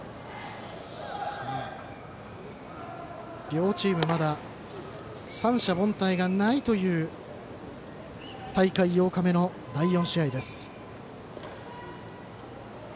両チームまだ三者凡退がないという大会８日目の第４試合です。